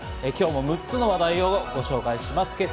今日も６つの話題をご紹介します。